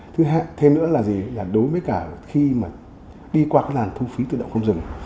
thứ hai thêm nữa là gì là đối với cả khi mà đi qua cái làn thu phí tự động không dừng